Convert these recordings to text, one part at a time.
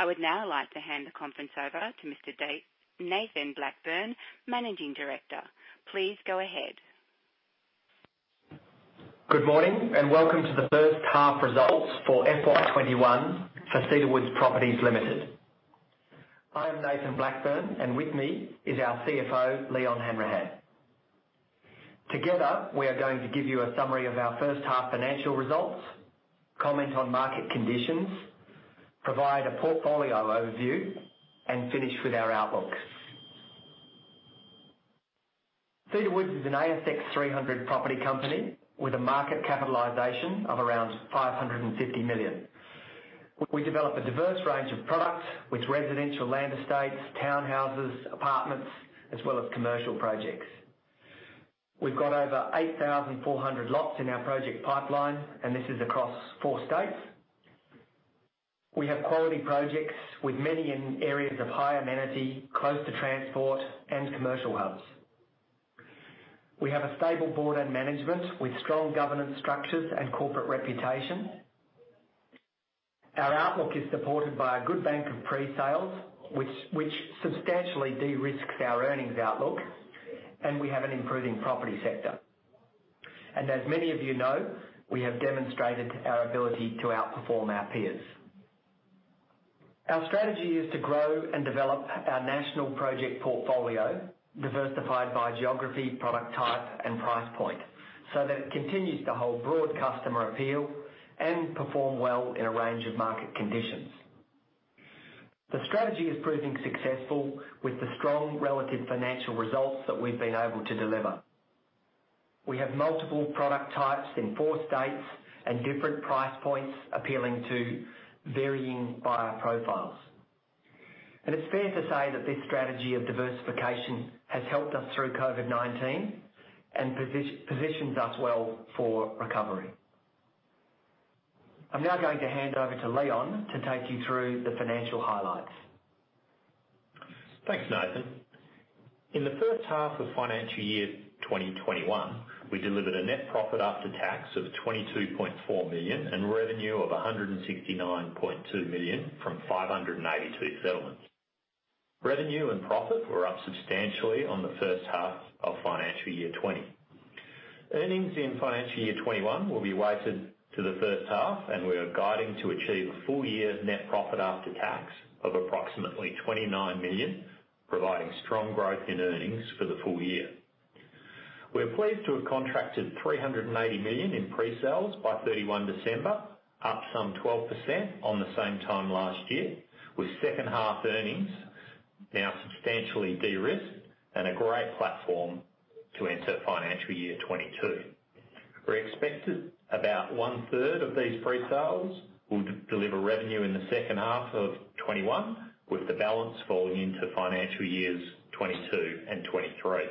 I would now like to hand the conference over to Mr. Nathan Blackburne, Managing Director. Please go ahead. Good morning. Welcome to the first half results for FY 2021 for Cedar Woods Properties Limited. I am Nathan Blackburne, and with me is our CFO, Leon Hanrahan. Together, we are going to give you a summary of our first half financial results, comment on market conditions, provide a portfolio overview, and finish with our outlooks. Cedar Woods is an ASX 300 property company with a market capitalization of around 550 million. We develop a diverse range of products with residential land estates, townhouses, apartments, as well as commercial projects. We've got over 8,400 lots in our project pipeline, and this is across four states. We have quality projects with many in areas of high amenity, close to transport, and commercial hubs. We have a stable board and management with strong governance structures and corporate reputation. Our outlook is supported by a good bank of pre-sales, which substantially de-risks our earnings outlook, and we have an improving property sector. As many of you know, we have demonstrated our ability to outperform our peers. Our strategy is to grow and develop our national project portfolio, diversified by geography, product type, and price point, so that it continues to hold broad customer appeal and perform well in a range of market conditions. The strategy is proving successful with the strong relative financial results that we've been able to deliver. We have multiple product types in four states and different price points appealing to varying buyer profiles. It's fair to say that this strategy of diversification has helped us through COVID-19 and positions us well for recovery. I'm now going to hand over to Leon to take you through the financial highlights. Thanks, Nathan. In the first half of financial year 2021, we delivered a net profit after tax of 22.4 million and revenue of 169.2 million from 582 settlements. Revenue and profit were up substantially on the first half of financial year 2020. Earnings in financial year 2021 will be weighted to the first half, and we are guiding to achieve a full year net profit after tax of approximately AUD 29 million, providing strong growth in earnings for the full year. We're pleased to have contracted 380 million in pre-sales by 31 December, up some 12% on the same time last year, with second half earnings now substantially de-risked and a great platform to enter financial year 2022. We're expected about one-third of these pre-sales will deliver revenue in the second half of 2021, with the balance falling into financial years 2022 and 2023.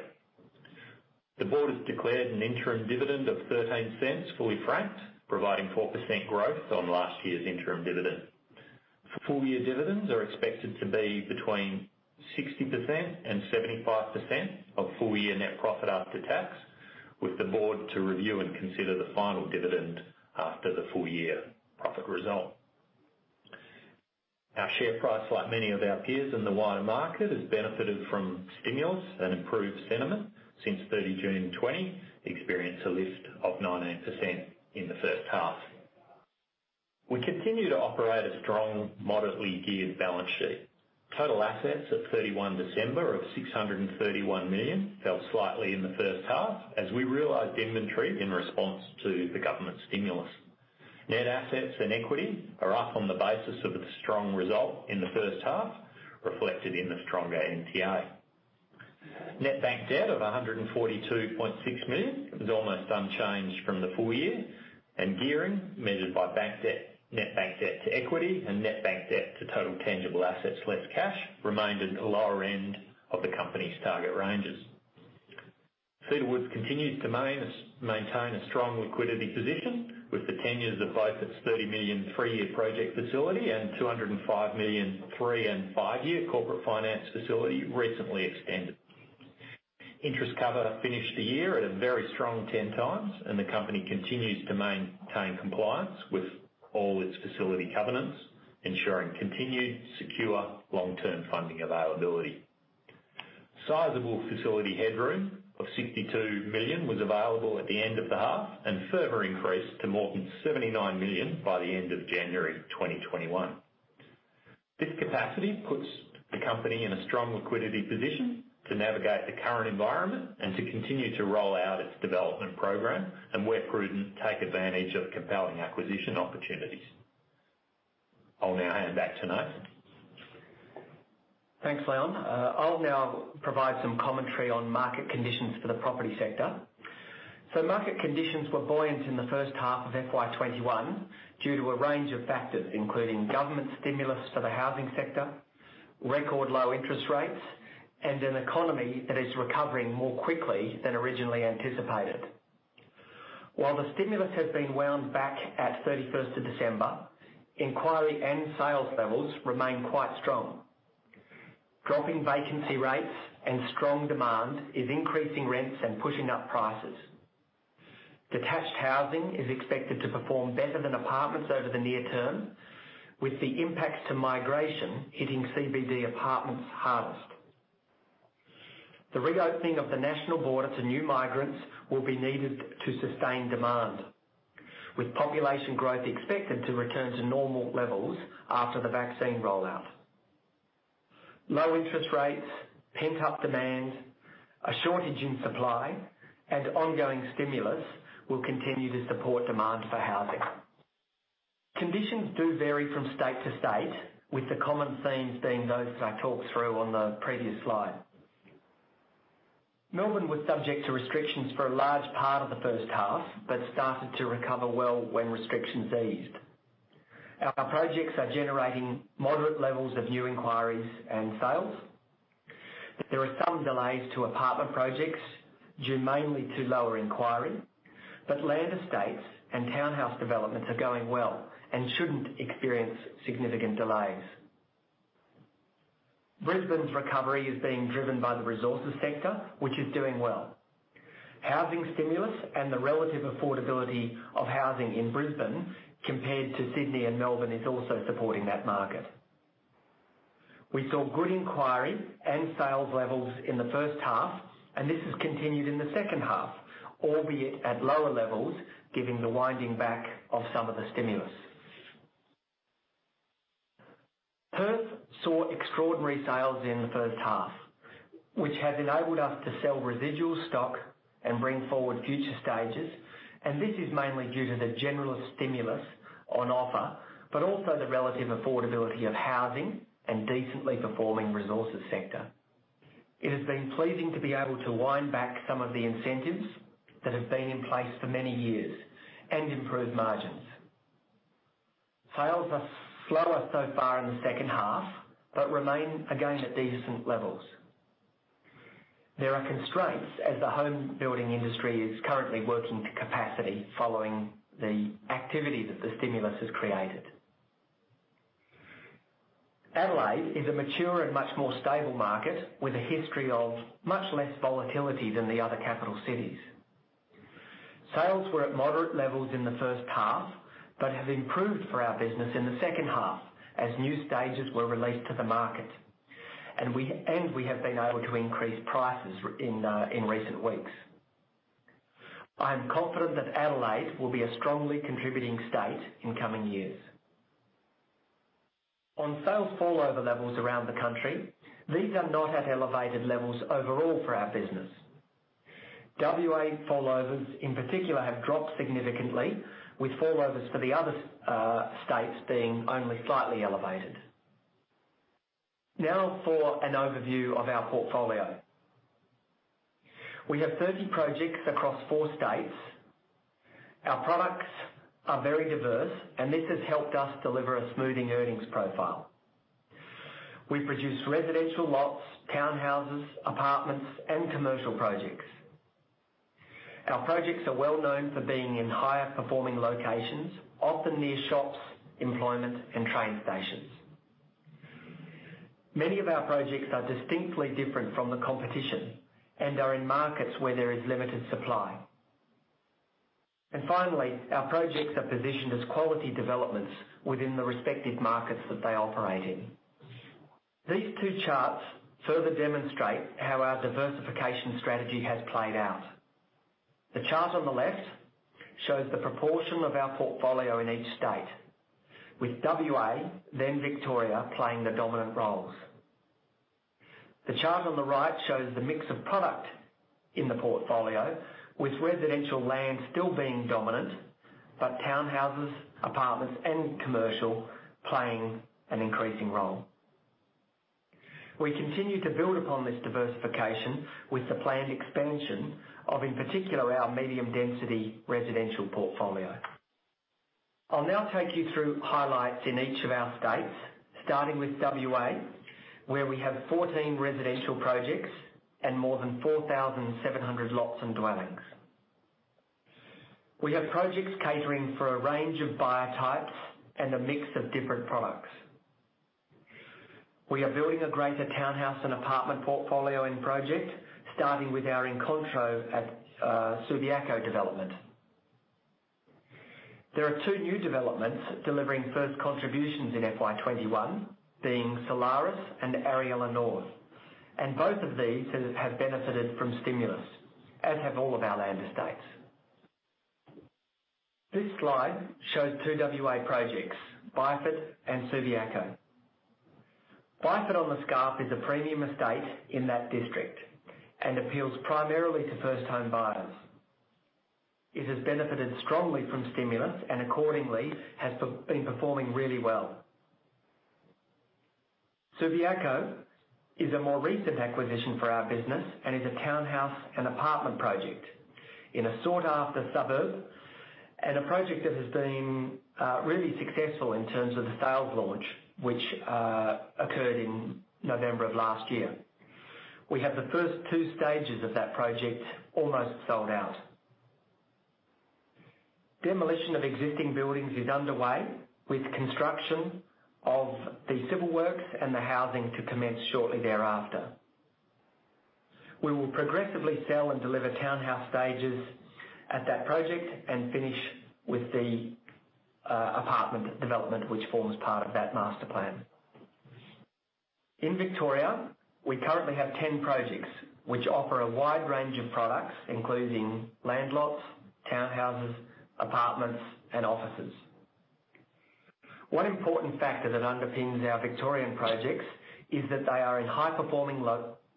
The board has declared an interim dividend of 0.13, fully franked, providing 4% growth on last year's interim dividend. Full year dividends are expected to be between 60% and 75% of full year NPAT, with the board to review and consider the final dividend after the full year profit result. Our share price, like many of our peers in the wider market, has benefited from stimulus and improved sentiment. Since June 2020, experienced a lift of 19% in the first half. We continue to operate a strong, moderately geared balance sheet. Total assets at 31 December of 631 million fell slightly in the first half, as we realized inventory in response to the government stimulus. Net assets and equity are up on the basis of the strong result in the first half, reflected in the stronger NTA. Net bank debt of 142.6 million was almost unchanged from the full year. Gearing measured by net bank debt to equity and net bank debt to total tangible assets less cash, remained at the lower end of the company's target ranges. Cedar Woods continues to maintain a strong liquidity position, with the tenures of both its 30 million three-year project facility and 205 million three- and five-year corporate finance facility recently extended. Interest cover finished the year at a very strong 10x, and the company continues to maintain compliance with all its facility covenants, ensuring continued secure long-term funding availability. Sizable facility headroom of 62 million was available at the end of the half and further increased to more than 79 million by the end of January 2021. This capacity puts the company in a strong liquidity position to navigate the current environment and to continue to roll out its development program and where prudent, take advantage of compelling acquisition opportunities. I'll now hand back to Nathan. Thanks, Leon. I'll now provide some commentary on market conditions for the property sector. Market conditions were buoyant in the first half of FY 2021 due to a range of factors, including government stimulus for the housing sector, record low interest rates, and an economy that is recovering more quickly than originally anticipated. While the stimulus has been wound back at 31st of December, inquiry and sales levels remain quite strong. Dropping vacancy rates and strong demand is increasing rents and pushing up prices. Detached housing is expected to perform better than apartments over the near term, with the impacts to migration hitting CBD apartments hardest. The reopening of the national border to new migrants will be needed to sustain demand, with population growth expected to return to normal levels after the vaccine rollout. Low interest rates, pent-up demand, a shortage in supply, and ongoing stimulus will continue to support demand for housing. Conditions do vary from state to state, with the common themes being those that I talked through on the previous slide. Melbourne was subject to restrictions for a large part of the first half, but started to recover well when restrictions eased. Our projects are generating moderate levels of new inquiries and sales. There are some delays to apartment projects, due mainly to lower inquiry, but land estates and townhouse developments are going well and shouldn't experience significant delays. Brisbane's recovery is being driven by the resources sector, which is doing well. Housing stimulus and the relative affordability of housing in Brisbane compared to Sydney and Melbourne is also supporting that market. We saw good inquiry and sales levels in the first half, and this has continued in the second half, albeit at lower levels, given the winding back of some of the stimulus. Perth saw extraordinary sales in the first half, which has enabled us to sell residual stock and bring forward future stages, and this is mainly due to the general stimulus on offer, but also the relative affordability of housing and decently performing resources sector. It has been pleasing to be able to wind back some of the incentives that have been in place for many years and improve margins. Sales are slower so far in the second half, but remain, again, at decent levels. There are constraints as the home building industry is currently working to capacity following the activity that the stimulus has created. Adelaide is a mature and much more stable market with a history of much less volatility than the other capital cities. Sales were at moderate levels in the first half, but have improved for our business in the second half as new stages were released to the market, and we have been able to increase prices in recent weeks. I am confident that Adelaide will be a strongly contributing state in coming years. On sales fallover levels around the country, these are not at elevated levels overall for our business. WA fallovers, in particular, have dropped significantly, with fallovers for the other states being only slightly elevated. Now for an overview of our portfolio. We have 30 projects across four states. Our products are very diverse, and this has helped us deliver a smoothing earnings profile. We produce residential lots, townhouses, apartments, and commercial projects. Our projects are well-known for being in higher performing locations, often near shops, employment, and train stations. Many of our projects are distinctly different from the competition and are in markets where there is limited supply. Finally, our projects are positioned as quality developments within the respective markets that they operate in. These two charts further demonstrate how our diversification strategy has played out. The chart on the left shows the proportion of our portfolio in each state, with WA, then Victoria playing the dominant roles. The chart on the right shows the mix of product in the portfolio, with residential land still being dominant, but townhouses, apartments, and commercial playing an increasing role. We continue to build upon this diversification with the planned expansion of, in particular, our medium-density residential portfolio. I'll now take you through highlights in each of our states, starting with WA, where we have 14 residential projects and more than 4,700 lots and dwellings. We have projects catering for a range of buyer types and a mix of different products. We are building a greater townhouse and apartment portfolio in project, starting with our Incontro at Subiaco development. There are two new developments delivering first contributions in FY 2021, being Solaris and Ariella North. Both of these have benefited from stimulus, as have all of our land estates. This slide shows two WA projects, Byford and Subiaco. Byford on the Scarp is a premium estate in that district and appeals primarily to first-time buyers. It has benefited strongly from stimulus and accordingly has been performing really well. Subiaco is a more recent acquisition for our business and is a townhouse and apartment project in a sought-after suburb, and a project that has been really successful in terms of the sales launch, which occurred in November of last year. We have the first two stages of that project almost sold out. Demolition of existing buildings is underway with construction of the civil works and the housing to commence shortly thereafter. We will progressively sell and deliver townhouse stages at that project and finish with the apartment development, which forms part of that master plan. In Victoria, we currently have 10 projects which offer a wide range of products, including land lots, townhouses, apartments, and offices. One important factor that underpins our Victorian projects is that they are in high-performing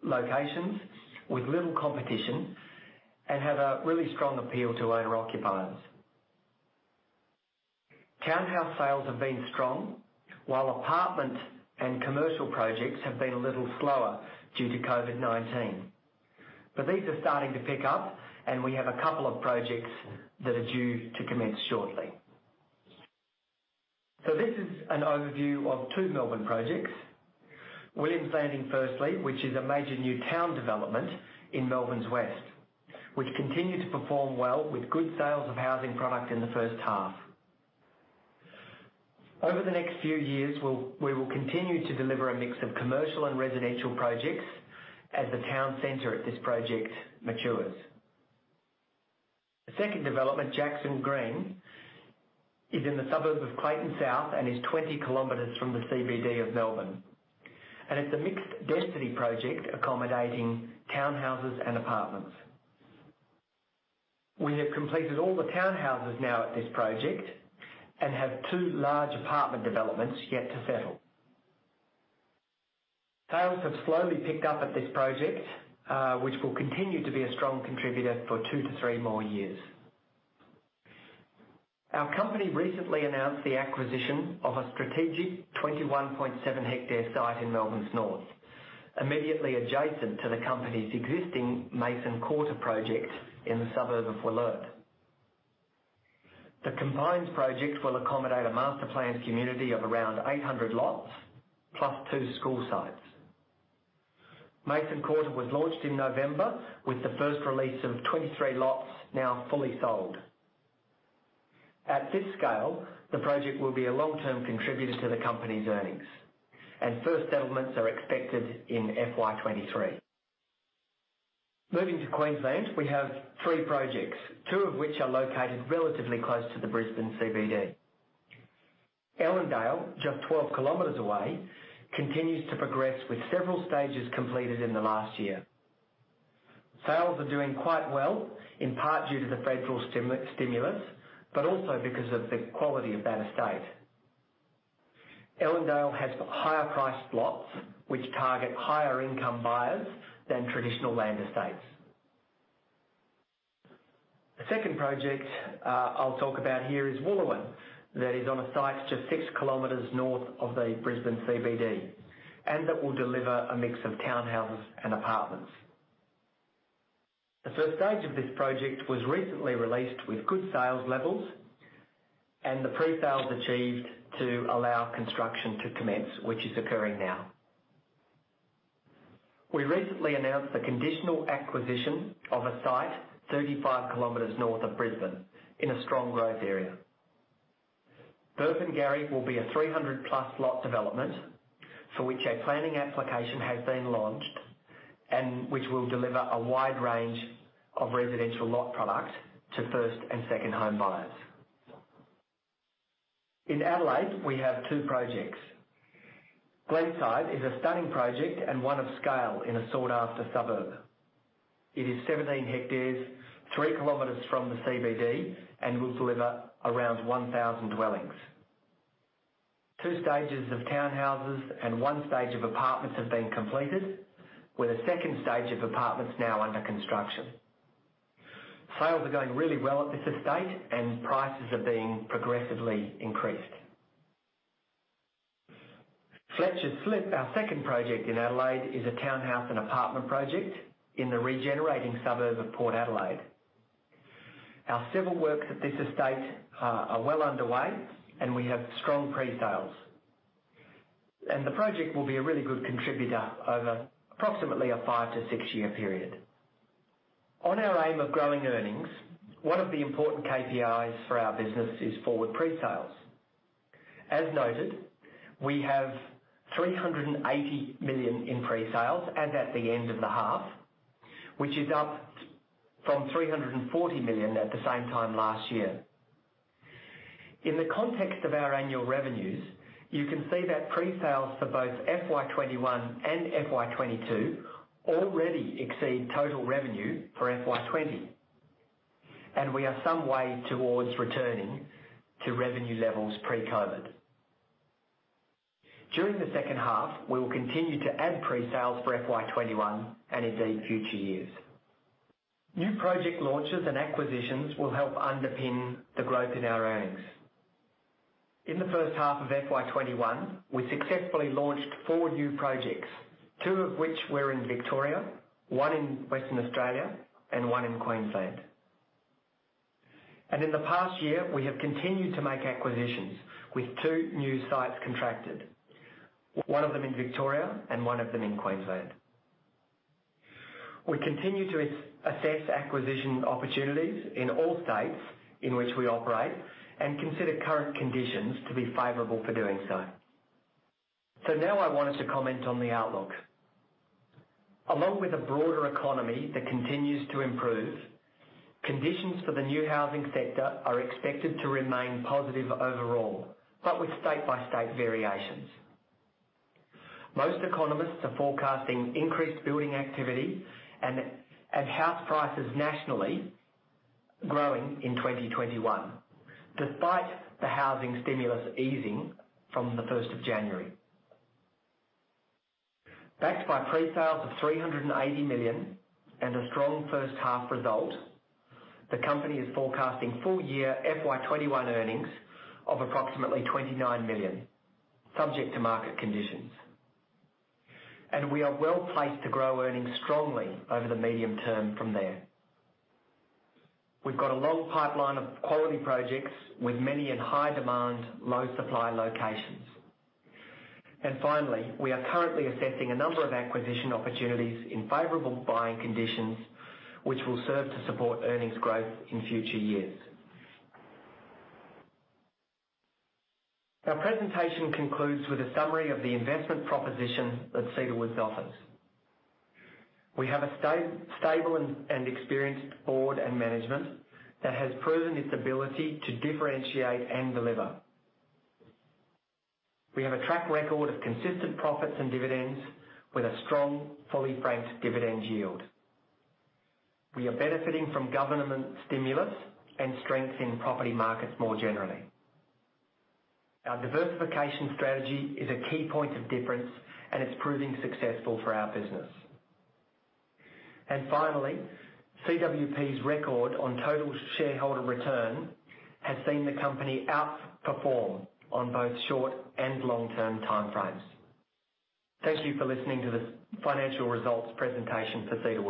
locations with little competition and have a really strong appeal to owner-occupiers. Townhouse sales have been strong, while apartment and commercial projects have been a little slower due to COVID-19. These are starting to pick up, and we have a couple of projects that are due to commence shortly. This is an overview of two Melbourne projects. Williams Landing, firstly, which is a major new town development in Melbourne's west, which continue to perform well with good sales of housing product in the first half. Over the next few years, we will continue to deliver a mix of commercial and residential projects as the town center at this project matures. The second development, Jackson Green, is in the suburb of Clayton South and is 20 km from the CBD of Melbourne, and it's a mixed-density project accommodating townhouses and apartments. We have completed all the townhouses now at this project and have two large apartment developments yet to settle. Sales have slowly picked up at this project, which will continue to be a strong contributor for two to three more years. Our company recently announced the acquisition of a strategic 21.7 ha site in Melbourne's north, immediately adjacent to the company's existing Mason Quarter project in the suburb of Wollert. The combined project will accommodate a master-planned community of around 800 lots, +2 school sites. Mason Quarter was launched in November, with the first release of 23 lots now fully sold. At this scale, the project will be a long-term contributor to the company's earnings, and first settlements are expected in FY23. Moving to Queensland, we have three projects, two of which are located relatively close to the Brisbane CBD. Ellendale, just 12 km away, continues to progress, with several stages completed in the last year. Sales are doing quite well, in part due to the federal stimulus, but also because of the quality of that estate. Ellendale has higher-priced lots, which target higher-income buyers than traditional land estates. The second project I'll talk about here is Wooloowin. That is on a site just 6 km north of the Brisbane CBD, and that will deliver a mix of townhouses and apartments. The first stage of this project was recently released with good sales levels, and the pre-sales achieved to allow construction to commence, which is occurring now. We recently announced the conditional acquisition of a site 35 km north of Brisbane in a strong growth area. Burpengary will be a 300+ lot development for which our planning application has been launched and which will deliver a wide range of residential lot product to first and second home buyers. In Adelaide, we have two projects. Glenside is a stunning project and one of scale in a sought-after suburb. It is 17 ha, 3 km from the CBD and will deliver around 1,000 dwellings. Two stages of townhouses and one stage of apartments have been completed, with a second stage of apartments now under construction. Sales are going really well at this estate, and prices are being progressively increased. Fletchers Slip, our second project in Adelaide, is a townhouse and apartment project in the regenerating suburb of Port Adelaide. Our civil works at this estate are well underway, and we have strong pre-sales. The project will be a really good contributor over approximately a five to six-year period. On our aim of growing earnings, one of the important KPIs for our business is forward pre-sales. As noted, we have 380 million in pre-sales and at the end of the half, which is up from 340 million at the same time last year. In the context of our annual revenues, you can see that pre-sales for both FY 2021 and FY 2022 already exceed total revenue for FY 2020. We are some way towards returning to revenue levels pre-COVID-19. During the second half, we will continue to add pre-sales for FY 2021 and indeed future years. New project launches and acquisitions will help underpin the growth in our earnings. In the first half of FY 2021, we successfully launched four new projects, two of which were in Victoria, one in Western Australia, and one in Queensland. In the past year, we have continued to make acquisitions with two new sites contracted, one of them in Victoria and one of them in Queensland. We continue to assess acquisition opportunities in all states in which we operate and consider current conditions to be favorable for doing so. Now I wanted to comment on the outlook. Along with the broader economy that continues to improve, conditions for the new housing sector are expected to remain positive overall, but with state-by-state variations. Most economists are forecasting increased building activity and house prices nationally growing in 2021, despite the housing stimulus easing from the 1st of January. Backed by pre-sales of 380 million and a strong first-half result, the company is forecasting full-year FY 2021 earnings of approximately 29 million, subject to market conditions. We are well-placed to grow earnings strongly over the medium term from there. We've got a long pipeline of quality projects with many in high-demand, low-supply locations. Finally, we are currently assessing a number of acquisition opportunities in favorable buying conditions, which will serve to support earnings growth in future years. Our presentation concludes with a summary of the investment proposition that Cedar Woods offers. We have a stable and experienced board and management that has proven its ability to differentiate and deliver. We have a track record of consistent profits and dividends with a strong, fully franked dividend yield. We are benefiting from government stimulus and strength in property markets more generally. Our diversification strategy is a key point of difference, and it's proving successful for our business. Finally, CWP's record on total shareholder return has seen the company outperform on both short and long-term time frames. Thank you for listening to this financial results presentation for Cedar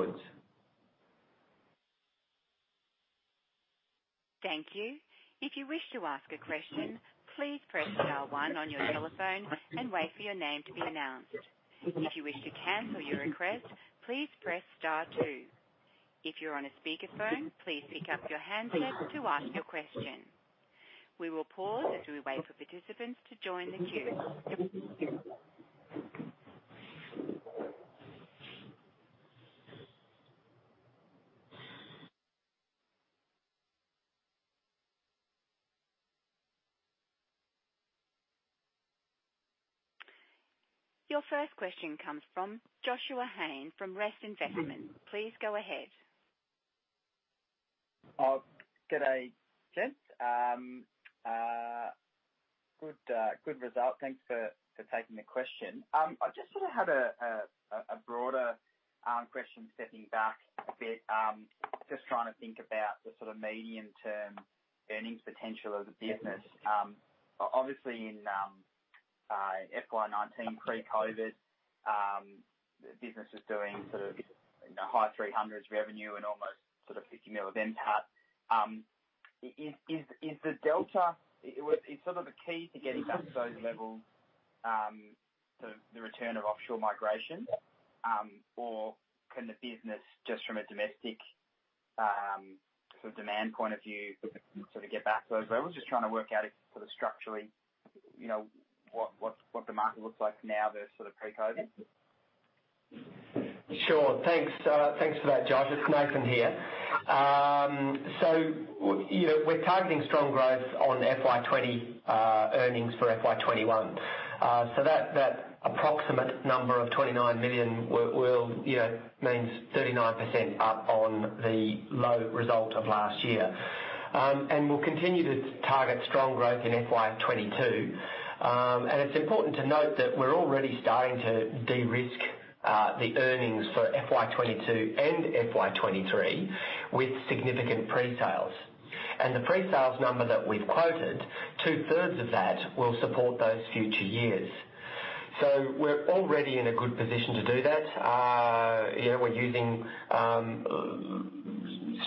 Woods. Thank you. Your first question comes from Joshua Haynes from Rest [Employees Superannuation Trust]. Please go ahead. G'day, gents. Good result. Thanks for taking the question. I just sort of had a broader question, stepping back a bit, just trying to think about the sort of medium-term earnings potential of the business. Obviously, in FY 2019, pre-COVID, the business was doing sort of AUD high three hundreds revenue and almost 50 million of NPAT. Is the key to getting back to those levels the return of offshore migration? Can the business, just from a domestic demand point of view, get back to those levels? Just trying to work out structurally what the market looks like now versus pre-COVID. Sure. Thanks for that, Josh. It's Nathan here. We're targeting strong growth on FY 2020 earnings for FY 2021. That approximate number of 29 million means 39% up on the low result of last year. We'll continue to target strong growth in FY 2022. It's important to note that we're already starting to de-risk the earnings for FY 2022 and FY 2023 with significant pre-sales. The pre-sales number that we've quoted, two-thirds of that will support those future years. We're already in a good position to do that. We're using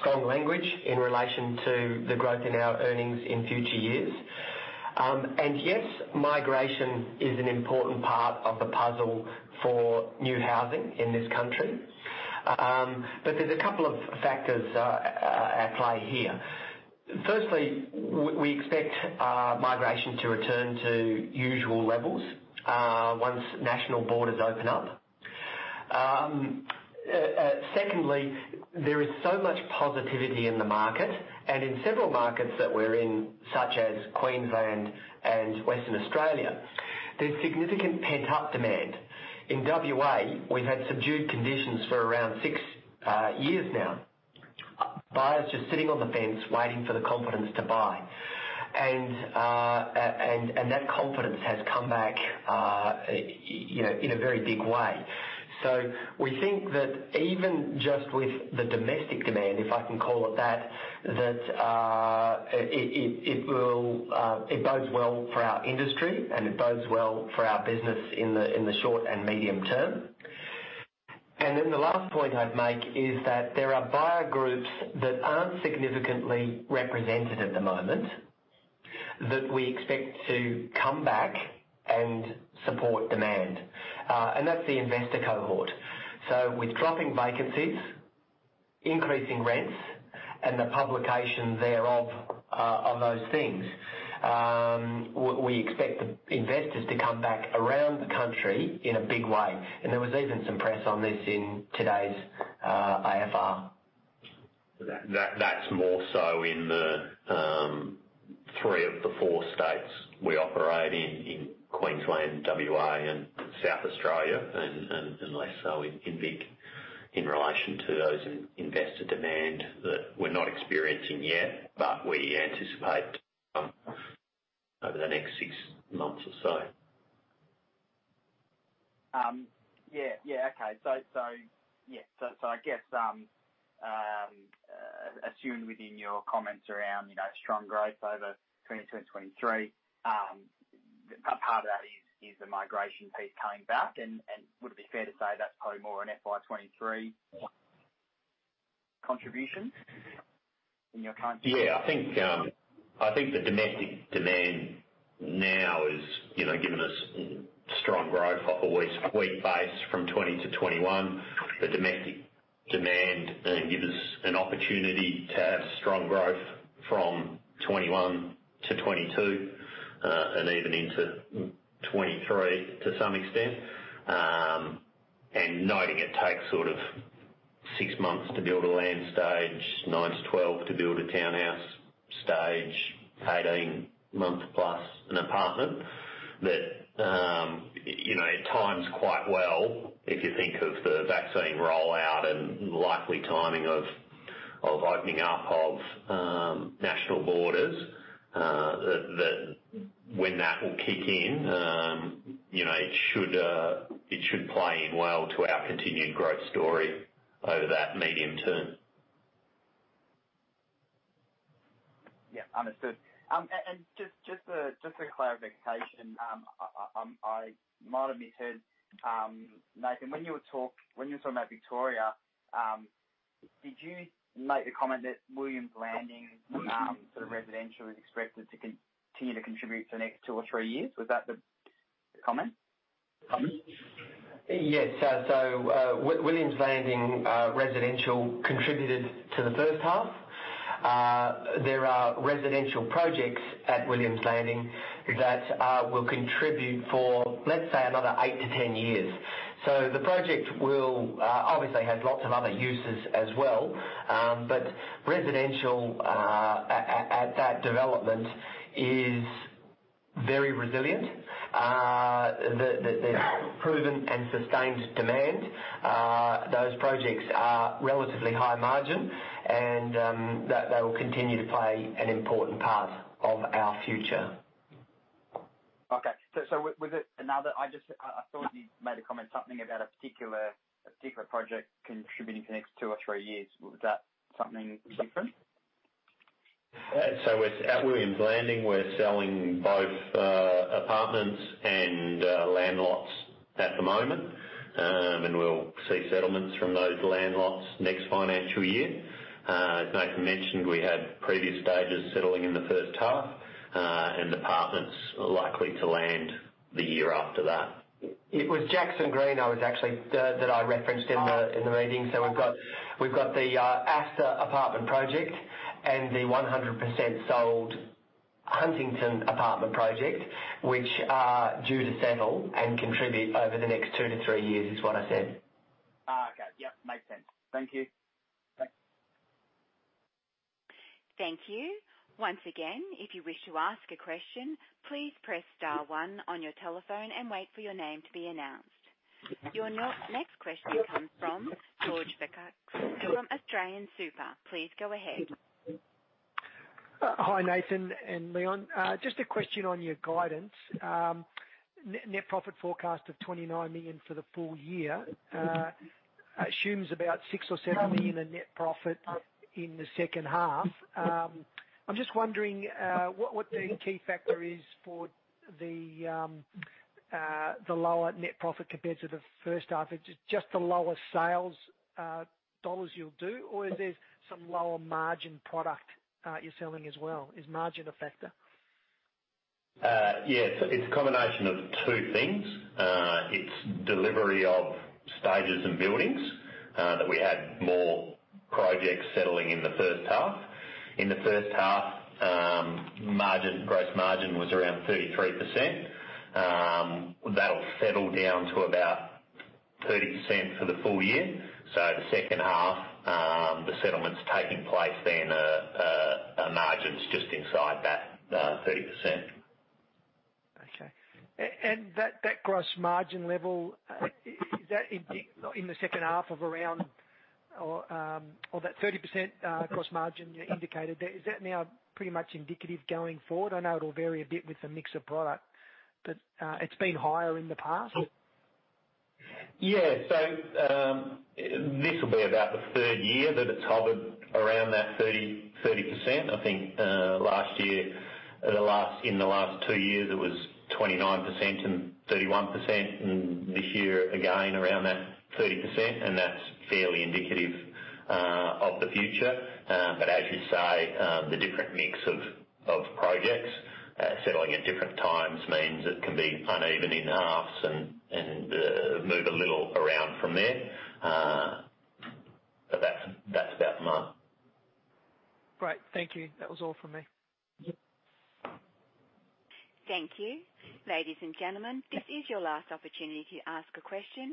strong language in relation to the growth in our earnings in future years. Yes, migration is an important part of the puzzle for new housing in this country, but there's a couple of factors at play here. Firstly, we expect migration to return to usual levels once national borders open up. Secondly, there is so much positivity in the market, and in several markets that we're in, such as Queensland and Western Australia, there's significant pent-up demand. In WA, we've had subdued conditions for around six years now. Buyers just sitting on the fence waiting for the confidence to buy. That confidence has come back in a very big way. We think that even just with the domestic demand, if I can call it that it bodes well for our industry and it bodes well for our business in the short and medium term. The last point I'd make is that there are buyer groups that aren't significantly represented at the moment that we expect to come back and support demand, and that's the investor cohort. With dropping vacancies, increasing rents, and the publication thereof of those things, we expect the investors to come back around the country in a big way. There was even some press on this in today's AFR. That's more so in the three of the four states we operate in Queensland, WA, and South Australia, and less so in Victoria in relation to those investor demand that we're not experiencing yet, but we anticipate over the next six months or so. Yeah. Okay. I guess, assumed within your comments around strong growth over FY 2022 and FY 2023, part of that is the migration piece coming back and would it be fair to say that's probably more an FY 2023 contribution in your current? Yeah, I think the domestic demand now is giving us strong growth off a weak base from FY 2020 to FY 2021. The domestic demand gives us an opportunity to have strong growth from FY 2021 to FY 2022, and even into FY 2023 to some extent. Noting it takes six months to build a land stage, 9 months-12 months to build a townhouse stage, 18 months+ an apartment, that it times quite well if you think of the vaccine rollout and likely timing of opening up of national borders, that when that will kick in, it should play in well to our continued growth story over that medium term. Yeah. Understood. Just a clarification. I might have misheard. Nathan, when you were talking about Victoria, did you make the comment that Williams Landing residential is expected to continue to contribute for the next two or three years? Was that the comment? Yes. Williams Landing residential contributed to the first half. There are residential projects at Williams Landing that will contribute for, let's say, another 8 years-10 years. The project obviously has lots of other uses as well, but residential at that development is very resilient. There's proven and sustained demand. Those projects are relatively high margin, and they will continue to play an important part of our future. Okay. I thought you made a comment, something about a particular project contributing for the next two or three years. Was that something different? At Williams Landing, we're selling both apartments and land lots at the moment, and we'll see settlements from those land lots next financial year. As Nathan mentioned, we had previous stages settling in the first half, and apartments are likely to land the year after that. It was Jackson Green that I referenced in the meeting. We've got the Aster Apartments project and the 100% sold Huntington Apartments project, which are due to settle and contribute over the next two to three years, is what I said. Okay. Yep. Makes sense. Thank you. Thanks. Thank you. Your next question comes from George Batsakis from AustralianSuper. Please go ahead. Hi, Nathan and Leon. Just a question on your guidance. Net profit forecast of 29 million for the full year assumes about 6 million or 7 million in net profit in the second half. I'm just wondering what the key factor is for the lower net profit compared to the first half. Is it just the lower sales dollars you'll do, or is there some lower margin product you're selling as well? Is margin a factor? It's a combination of two things. It's delivery of stages and buildings, that we had more projects settling in the first half. In the first half, gross margin was around 33%. That'll settle down to about 30% for the full year. The second half, the settlements taking place then, our margin's just inside that 30%. Okay. That gross margin level, in the second half of or that 30% gross margin you indicated there, is that now pretty much indicative going forward? I know it will vary a bit with the mix of product, but it has been higher in the past. Yeah. This will be about the third year that it's hovered around that 30%. I think in the last two years, it was 29% and 31%, and this year, again, around that 30%, and that's fairly indicative of the future. As you say, the different mix of projects settling at different times means it can be uneven in halves and move a little around from there. That's about the mark. Great. Thank you. That was all from me. Thank you. Ladies and gentlemen, this is your last opportunity to ask a question.